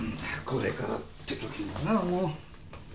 これからってときにな。